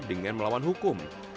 dengan melawan hukum